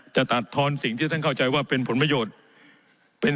จะตัดทอนสิ่งที่ท่านเข้าใจว่าเป็นผลประโยชน์